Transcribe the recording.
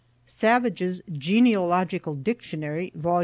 Savage's "Genealogical Dictionary" (vol.